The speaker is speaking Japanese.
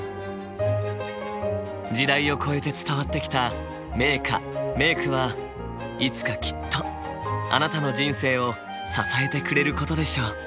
時代を超えて伝わってきた名歌・名句はいつかきっとあなたの人生を支えてくれることでしょう。